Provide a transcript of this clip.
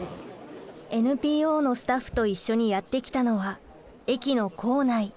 ＮＰＯのスタッフと一緒にやって来たのは駅の構内。